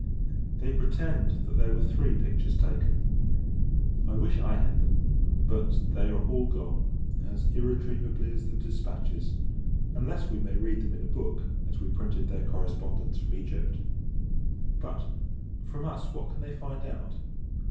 They pretend, that there were three pictures taken. I wish, I had them: but they are all gone, as irretrievably as the dispatches; unless we may read them in a book, as we printed their correspondence from Egypt. But, from us, what can they find out!